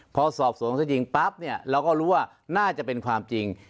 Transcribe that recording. พอสอบสวนซะจริงปั๊บเนี่ยเราก็รู้ว่าน่าจะเป็นความจริง